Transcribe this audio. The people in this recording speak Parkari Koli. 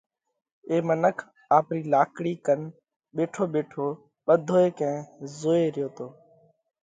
اي منک آپري لاڪڙِي ڪنَ ٻيٺو ٻيٺو ٻڌوئي ڪئين زوئي ريو تو